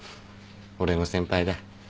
俺の先輩だ。